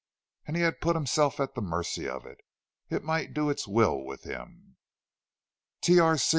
And he had put himself at the mercy of it; it might do its will with him! "Tr.